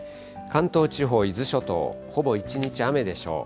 関東地方、伊豆諸島、ほぼ一日雨でしょう。